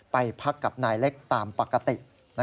ไปพักกับนายเล็กตามปกติ